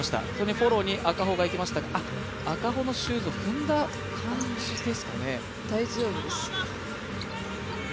フォローに赤穂が行きましたが、赤穂のシューズが踏んだ感じですかね。